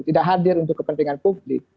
tidak hadir untuk kepentingan publik